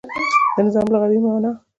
د نظام لغوی معنا